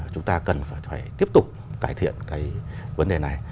chúng ta cần phải tiếp tục cải thiện cái vấn đề này